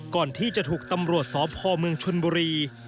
ก่อนที่จะถูกตำรวจสพเมืองชนบุรี